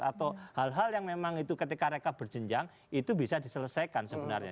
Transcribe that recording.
atau hal hal yang memang itu ketika mereka berjenjang itu bisa diselesaikan sebenarnya